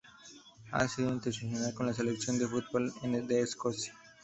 Ha sido internacional con la selección de fútbol de Escocia.